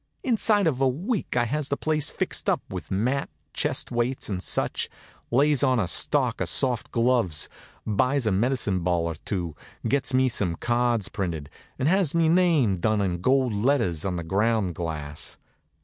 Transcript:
Inside of a week I has the place fixed up with mat, chest weights, and such; lays in a stock of soft gloves, buys a medicine ball or two, gets me some cards printed, and has me name done in gold letters on the ground glass.